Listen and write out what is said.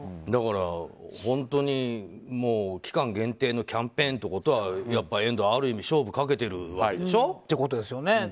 本当に期間限定のキャンペーンということはやっぱりある意味勝負をかけてるわけでしょ、遠藤。ってことですよね。